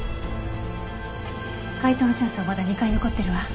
解答のチャンスはまだ２回残ってるわ。